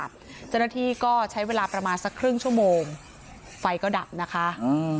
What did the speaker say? เจ้าหน้าที่ก็ใช้เวลาประมาณสักครึ่งชั่วโมงไฟก็ดับนะคะอืม